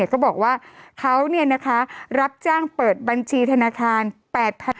ก็บอกว่าเขารับจ้างเปิดบัญชีธนาคาร๘๐๐๐บาท